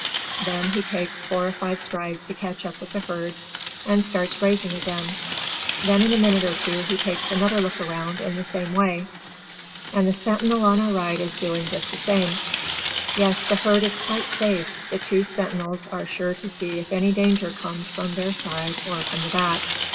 Then he takes four or five strides to catch up with the herd, and starts grazing again. Then in a minute or two he takes another look around in the same way. And the sentinel on our right is doing just the same. Yes, the herd is quite safe; the two sentinels are sure to see if any danger comes from their side or from the back.